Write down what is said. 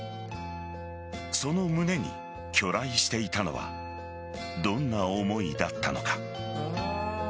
その胸に去来していたのはどんな思いだったのか。